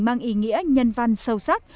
mang ý nghĩa nhân văn sâu sắc